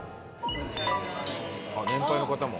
あっ年配の方も。